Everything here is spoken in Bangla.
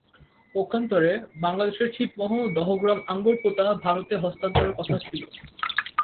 পক্ষান্তরে বাংলাদেশের ছিটমহল দহগ্রাম-আঙ্গরপোতা ভারতে হস্তান্তরের কথা ছিল।